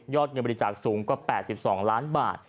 เงินบริจาคสูงกว่า๘๒ล้านบาท